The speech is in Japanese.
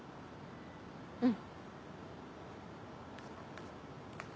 うん。